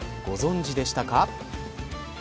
ご存じでしたか。